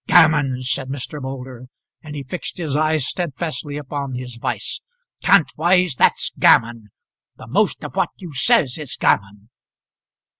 "Gammon!" said Mr. Moulder, and he fixed his eyes steadfastly upon his Vice. "Kantwise, that's gammon. The most of what you says is gammon."